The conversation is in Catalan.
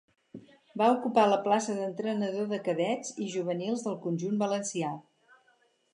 Va ocupar la plaça d'entrenador de cadets i juvenils del conjunt valencià.